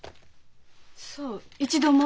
そう一度も？